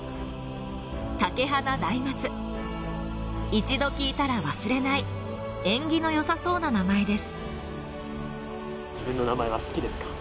竹花大松、一度聞いたら忘れない縁起の良さそうな名前です。